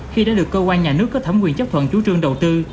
khi đã được cơ quan nhà nước có thẩm quyền chấp thuận chủ trương đầu tư